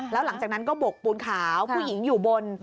แล้วหลังจากนั้นก็บกปูนขาวผู้หญิงอยู่บน